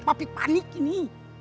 papi panik ini